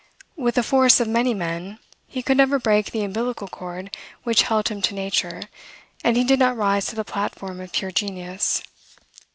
With a force of many men, he could never break the umbilical cord which held him to nature, and he did not rise to the platform of pure genius.